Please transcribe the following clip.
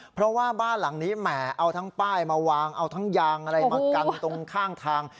เพราะว่าบ้านหลังนี้แหมเอาทั้งป้ายมาวางเอาทั้งยางอะไรมากันตรงข้างทาง